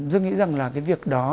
dương nghĩ rằng là cái việc đó